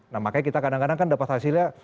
nah makanya kita kadang kadang kan dapat hasilnya